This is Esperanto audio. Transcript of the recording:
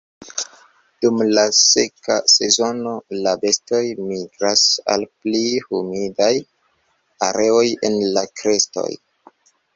Dum la seka sezono la bestoj migras al pli humidaj areoj en la krestoj.